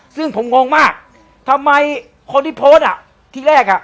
ซึ่งผมงงมากทำไมคนที่โพสต์อ่ะที่แรกอ่ะ